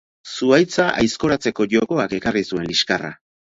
Zuhaitza aizkoratzeko jokoak ekarri zuen liskarra.